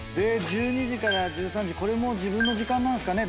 １２時から１３時これも自分の時間なんすかね。